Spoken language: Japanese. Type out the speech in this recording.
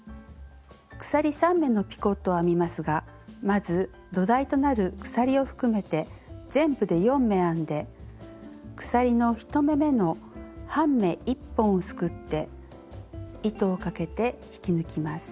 鎖３目のピコットを編みますがまず土台となる鎖を含めて全部で４目編んで鎖の１目めの半目１本をすくって糸をかけて引き抜きます。